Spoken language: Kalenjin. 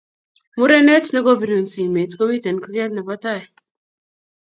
Murenet nogobirun simet komiten kurget nebo tai